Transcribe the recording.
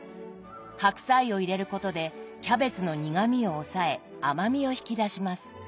白菜を入れることでキャベツの苦みを抑え甘みを引き出します。